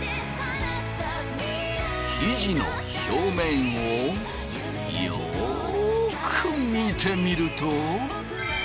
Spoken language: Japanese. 生地の表面をよく見てみると。